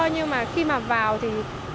nhưng mà khi mà vào thì